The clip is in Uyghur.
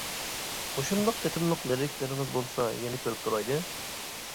مۇشۇنداق تېتىملىق لىرىكىلىرىڭىز بولسا يەنە كۆرۈپ تۇرايلى.